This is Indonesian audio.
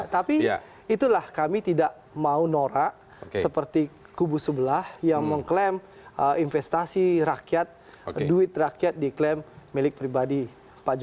tapi itulah kami tidak mau norak seperti kubu sebelah yang mengklaim investasi rakyat duit rakyat diklaim milik pribadi pak jokowi